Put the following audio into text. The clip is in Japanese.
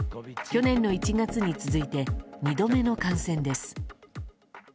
去年の１月に続いて２度目の感染です。